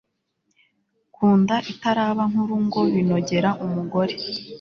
ku nda itaraba nkuru ngo binogera umugore